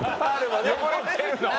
汚れてるの？